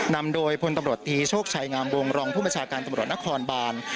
นำโดยพลตำรวจตีโชคชัยงามวงรองผู้บัญชาการตำรวจนครบาน